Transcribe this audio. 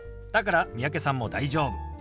だから三宅さんも大丈夫。